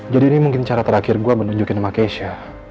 jadi ini mungkin cara terakhir gue menunjukin sama keisha